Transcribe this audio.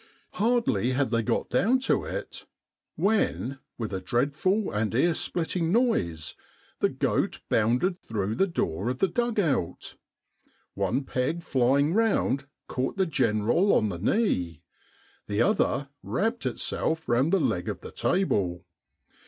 Hardly had they got down to it, when, with a dreadful and earsplitting noise, the goat bounded through the door of the dug out. One peg flying round caught the General on the knee, the other wrapped itself round the leg of the table.